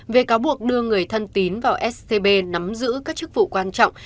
về cáo buộc đưa người thân tín vào scb nắm giữ các chức vụ quan trọng